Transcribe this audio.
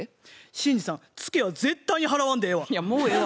信二さんツケは絶対に払わんでええわ。